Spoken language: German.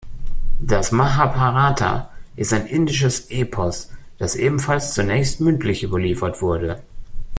Das "Mahabharata" ist ein indisches Epos, das ebenfalls zunächst mündlich überliefert wurde.